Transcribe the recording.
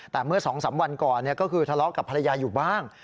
แต่เมื่อ๒๓วันก่อนก็คือทะเลาะกับภรรยาอยู่บ้าง